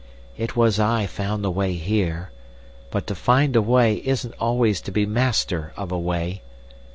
"It was I found the way here, but to find a way isn't always to be master of a way.